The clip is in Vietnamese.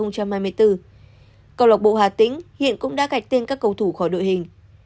câu lộc bộ hạ tĩnh hiện cũng đã gạch tên các cầu thủ khỏi đội hình